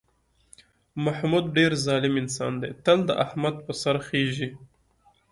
محمود ډېر ظالم انسان دی، تل د احمد په سر خېژي.